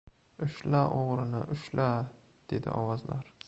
— Ushla, o‘g‘rini, ushla! — dedi ovozlar.